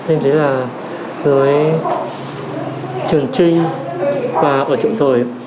em thấy là với trường trinh và ở trợ rời